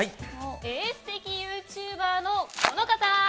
エース的ユーチューバーのこの方！